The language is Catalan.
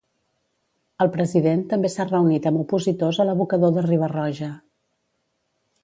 El president també s'ha reunit amb opositors a l'abocador de Riba-roja.